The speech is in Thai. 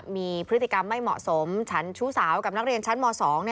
มีพฤติกรรมไม่เหมาะสมฉันชู้สาวกับนักเรียนชั้นม๒